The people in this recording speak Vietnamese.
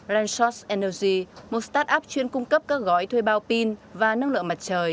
resort energy một start up chuyên cung cấp các gói thuê bao pin và năng lượng mặt trời